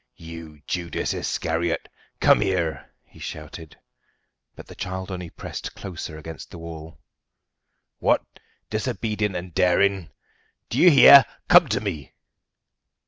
"You Judas Iscariot, come here!" he shouted. But the child only pressed closer against the wall. "What! disobedient and daring? Do you hear? Come to me!"